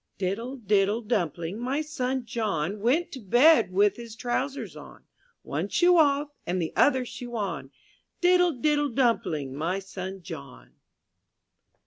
tjJE.« I "TWIDDLE, diddle, dumpling, my son John ^^ Went to bed with his trousers on, lC>One shoe off and the other shoe on, %^ Diddle, diddle, dumpling, my son John.